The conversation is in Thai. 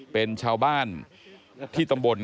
เป็นชาวบ้านที่ตำบล